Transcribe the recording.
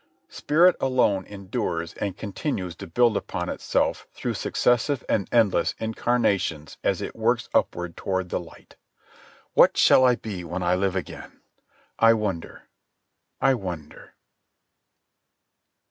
Spirit alone endures and continues to build upon itself through successive and endless incarnations as it works upward toward the light. What shall I be when I live again? I wonder. I wonder.